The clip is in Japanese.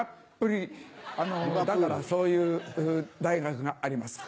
だからそういう大学があります。